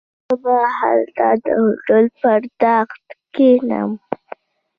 زه به هلته د هوټل پر تخت کښېنم.